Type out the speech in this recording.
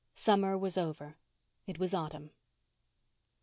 Summer was over—it was autumn.